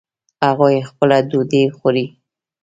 هغوی خپله ډوډۍ خوري